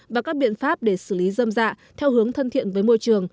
và các biện pháp để xử lý dâm dạ theo hướng thân thiện với môi trường